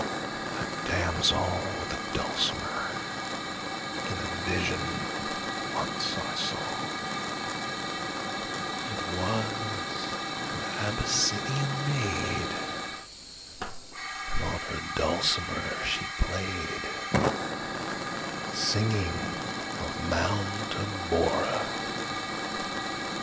A damsel with a dulcimerIn a vision once I saw:It was an Abyssinian maid, And on her dulcimer she played, Singing of Mount Abora.